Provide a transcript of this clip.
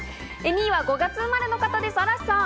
２位は５月生まれの方です、嵐さん。